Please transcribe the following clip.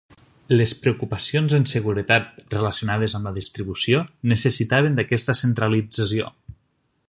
Les preocupacions en seguretat relacionades amb la distribució necessitaven d'aquesta centralització.